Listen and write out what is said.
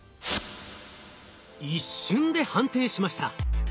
一瞬で判定しました。